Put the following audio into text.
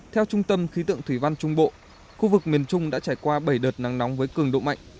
theo trung tâm khí tượng thủy văn trung bộ khu vực miền trung đã trải qua bảy đợt nắng nóng với cường độ mạnh